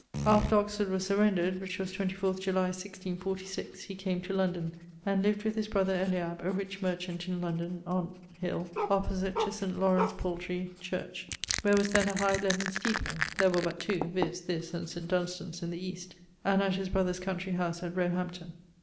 After Oxford was surrendred, which was 24 July 1646, he came to London, and lived with his brother Eliab a rich merchant in London, on ... hill, opposite to St. Lawrence (Poultry) church, where was then a high leaden steeple (there were but two, viz. this and St. Dunstan's in the East) and at his brother's country house at Roe hampton.